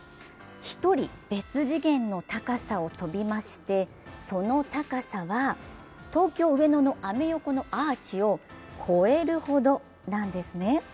１人別次元の高さを跳びまして、その高さは東京・上野のアメ横のアーチを越えるほどなんですね。